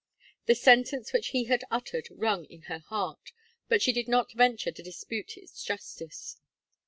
The sentence which he had uttered, rung in her heart; but she did not venture to dispute its justice.